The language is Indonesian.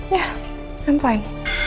ya aku baik baik